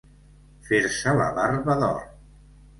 Fer-se la barba d'or.